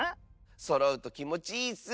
そろうときもちいいッス。